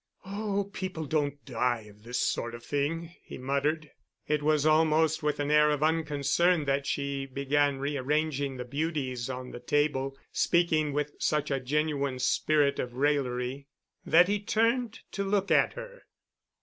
"Oh, people don't die of this sort of thing," he muttered. It was almost with an air of unconcern that she began rearranging the Beauties on the table, speaking with such a genuine spirit of raillery that he turned to look at her.